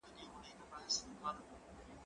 کېدای سي خبري اوږدې سي؟